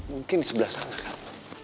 mungkin disebelah sana kan